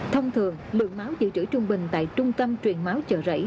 thông thường lượng máu dự trữ trung bình tại trung tâm truyền máu chợ rẫy